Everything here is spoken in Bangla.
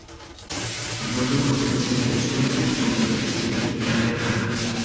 আমার বউ আমাকে ছেড়ে পেছনের দিক চলে যায়, যেদিকে ক্যামেরা ধরা।